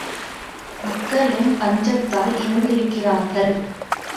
மக்களும் பஞ்சத்தால் இறந்திருக்கிறார்கள்.